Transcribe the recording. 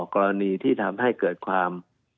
กรณีที่ทำให้เกิดความ